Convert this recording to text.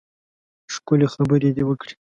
ښکلې خبرې دې وکړې.